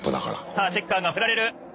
さあチェッカーが振られる。